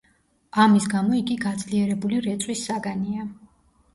ამის გამო იგი გაძლიერებული რეწვის საგანია.